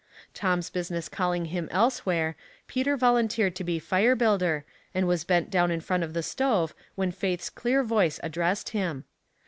Tom's business calling him elsewhere, Peter volunteered to be fire builder, and was bent down in front of the stove when Faith's clear voice addressed him.